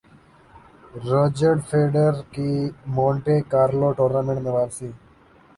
Roger Federer کی Monte Carlo tournament میں واپسی